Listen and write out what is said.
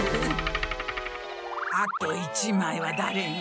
あと１まいはだれに？